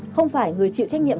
không phải người chịu trách nhiệm